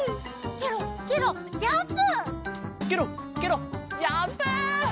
ケロッケロッジャンプ！